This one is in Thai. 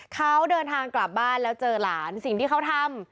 เขาเดินทางกลับบ้านแล้วเจอหลานสิ่งที่เขาทำ